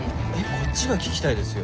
こっちが聞きたいですよ。